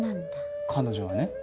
彼女はね。